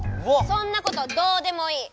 そんなことどうでもいい！